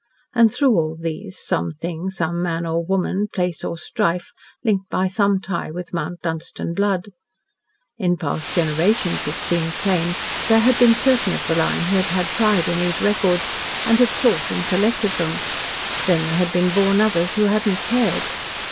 And, through all these, some thing, some man or woman, place, or strife linked by some tie with Mount Dunstan blood. In past generations, it seemed plain, there had been certain of the line who had had pride in these records, and had sought and collected them; then had been born others who had not cared.